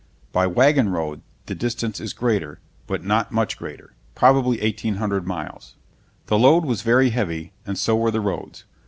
By wagon road the distance is greater, but not much greater probably 1800 miles. The load was very heavy, and so were the roads.